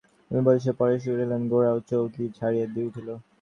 এই বলিয়া পরেশ উঠিলেন, গোরাও চৌকি ছাড়িয়া উঠিল।